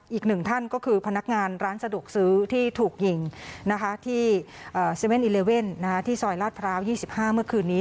อีกหนึ่งท่านก็คือพนักงานร้านสะดวกซื้อที่ถูกยิงที่๗๑๑ที่ซอยลาดพร้าว๒๕เมื่อคืนนี้